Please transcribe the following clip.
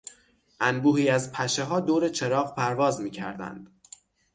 انبوهی از پشهها دور چراغ پرواز میکردند.